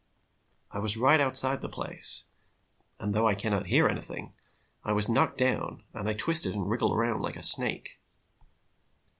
I was right outside the place and though I cannot hear anything, I was knocked down and I twisted and wriggled around like a snake.